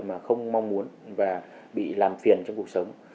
mà không mong muốn và bị làm phiền trong cuộc sống